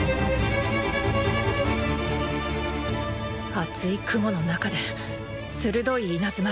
厚い雲の中で鋭い稲妻が暴れる。